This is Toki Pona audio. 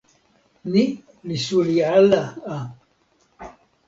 ni li suli ala a.